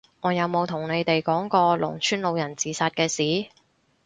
我有冇同你哋講過農村老人自殺嘅事？